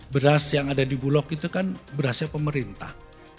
beras yang ada di bulog itu kan berasnya pemerintah